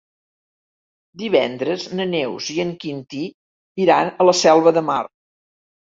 Divendres na Neus i en Quintí iran a la Selva de Mar.